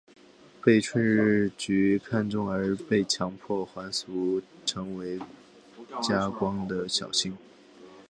被春日局看中而被强迫还俗成为家光的小姓。